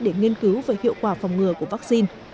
để nghiên cứu về hiệu quả phòng ngừa của vaccine